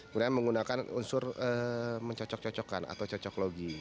kemudian menggunakan unsur mencocok cocokkan atau cocoklogi